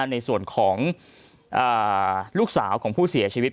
ในส่วนของลูกสาวของผู้เสียชีวิต